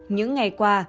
những ngày qua